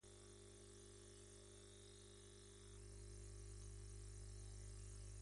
En effet, les prix furent plus proches de ceux d'Europe occidentale.